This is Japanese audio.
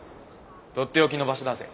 とっておきの場所だぜ。